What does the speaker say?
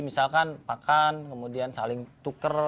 misalkan pakan kemudian saling tuker